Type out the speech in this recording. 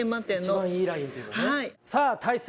一番いいラインという事ね。